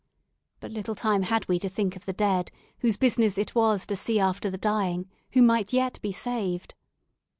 But little time had we to think of the dead, whose business it was to see after the dying, who might yet be saved.